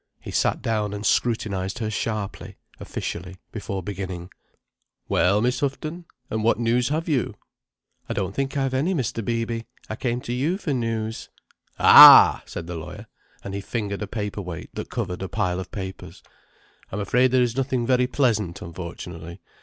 He sat down and scrutinized her sharply, officially, before beginning. "Well, Miss Houghton, and what news have you?" "I don't think I've any, Mr. Beeby. I came to you for news." "Ah!" said the lawyer, and he fingered a paper weight that covered a pile of papers. "I'm afraid there is nothing very pleasant, unfortunately.